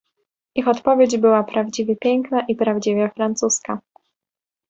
"Ich odpowiedź była prawdziwie piękna i prawdziwie francuska."